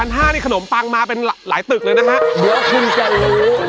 ๑๕๐๐นี่ขนมปังมาเป็นหลายตึกเลยนะครับ